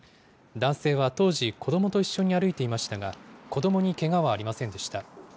男性は当時、子どもと一緒に歩いていましたが、子どもにけがはありませんでした。